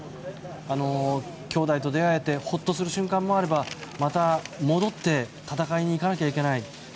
兄弟と出会えてほっとする瞬間もあればまた戻って戦いに行かなければいけない。